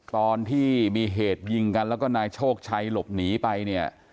ตอนที่มีเหตุยิงกันแล้วก็นายโชคชัยหลบหนีไปเนี่ย